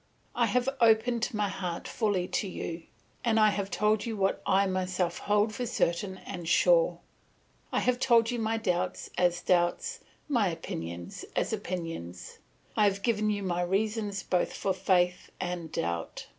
I have opened my heart fully to you; and I have told what I myself hold for certain and sure; I have told you my doubts as doubts, my opinions as opinions; I have given you my reasons both for faith and doubt.